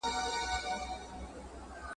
¬ په يوه کتاب څوک نه ملا کېږي.